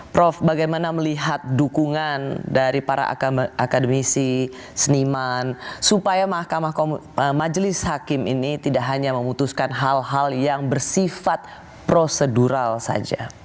prof bagaimana melihat dukungan dari para akademisi seniman supaya majelis hakim ini tidak hanya memutuskan hal hal yang bersifat prosedural saja